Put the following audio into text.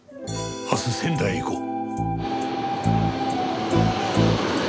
明日仙台へ行こう。